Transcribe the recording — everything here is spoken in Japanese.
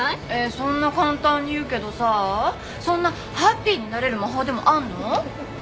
そんな簡単に言うけどさそんなハッピーになれる魔法でもあるの？